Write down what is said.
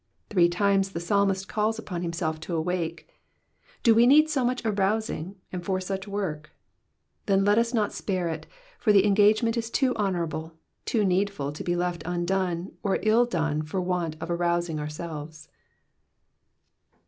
Three times the psalmist calls upon himself to awake. Do we need so much arousing, and for such work? Then let us not spare it, for the engagement is too honorable, too needful to be left undone or ill done for want of arousing ourselves.